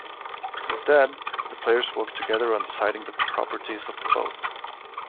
Instead, the players work together on deciding the properties of both.